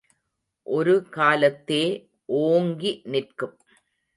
ஒரு காலத்தே ஓங்கி நிற்கும்.